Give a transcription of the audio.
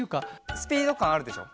スピードかんあるでしょ。